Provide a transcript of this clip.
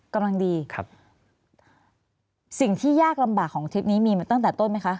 กำลังดีครับสิ่งที่ยากลำบากของทริปนี้มีมาตั้งแต่ต้นไหมคะ